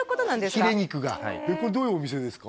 ヒレ肉がこれどういうお店ですか？